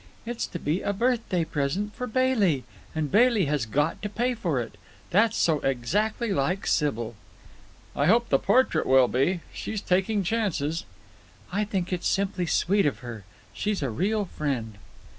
"It's to be a birthday present for Bailey, and Bailey has got to pay for it. That's so exactly like Sybil." "I hope the portrait will be. She's taking chances." "I think it's simply sweet of her. She's a real friend."